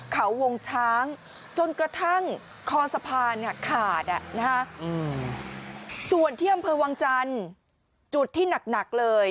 เขาวงช้างจนกระทั่งคอสะพานขาดส่วนที่อำเภอวังจันทร์จุดที่หนักเลย